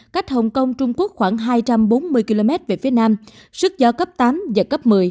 cách hồng kông trung quốc khoảng hai trăm bốn mươi km về phía nam sức gió cấp tám giật cấp một mươi